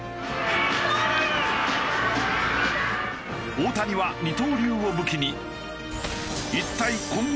大谷は二刀流を武器に一体更に